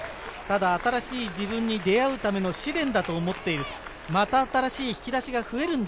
新しい自分に出会うための試練だと思っている、また新しい引き出しが増えるんだ。